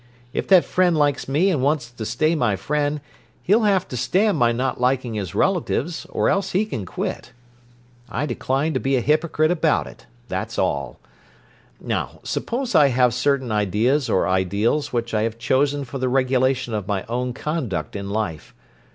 If that friend likes me and wants to stay my friend he'll have to stand my not liking his relatives, or else he can quit. I decline to be a hypocrite about it; that's all. Now, suppose I have certain ideas or ideals which I have chosen for the regulation of my own conduct in life.